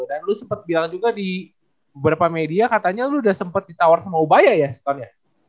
dan lu sempet bilang juga di beberapa media katanya lu udah sempet ditawar sama ubaya ya setelahnya